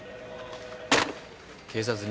警察に。